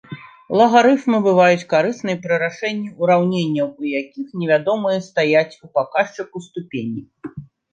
Лагарыфмы бываюць карысныя пры рашэнні ўраўненняў, у якіх невядомыя стаяць у паказчыку ступені.